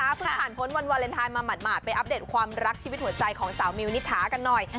เพิ่งผ่านพ้นวันวาเลนไทยมาหมาดไปอัปเดตความรักชีวิตหัวใจของสาวมิวนิษฐากันหน่อย